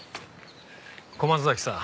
小松崎さん。